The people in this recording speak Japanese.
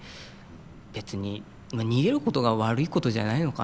別に逃げることが悪いことじゃないのかなって